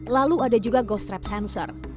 lalu ada juga ghost trap censor